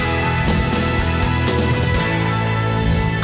โอโฮไทยแลนด์